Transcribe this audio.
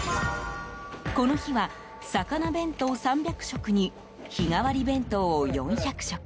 この日は、魚弁当３００食に日替わり弁当を４００食。